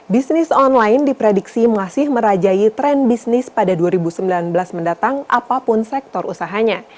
bisnis online diprediksi masih merajai tren bisnis pada dua ribu sembilan belas mendatang apapun sektor usahanya